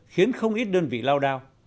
khiến không ít đơn vị lao đao